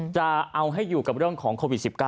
จะเอาให้อยู่กับเรื่องของโควิด๑๙